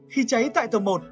khi cháy tại tầm một